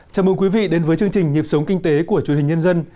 chào mừng quý vị đến với chương trình nhịp sống kinh tế của truyền hình nhân dân